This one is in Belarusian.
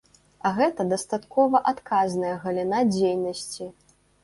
А гэта дастаткова адказная галіна дзейнасці.